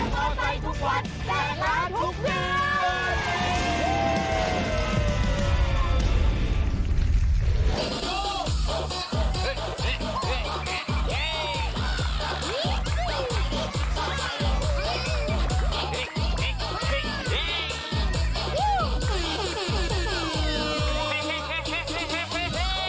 แล้วก็ไปทุกวันและลาทุกเกียรติ